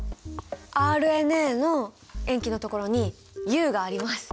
ＲＮＡの塩基のところに「Ｕ」があります！